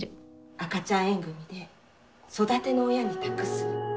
赤ちゃん縁組で育ての親に託す。